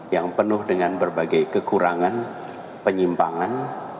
yang penuh dengan berbagai kekurangan penyimpangan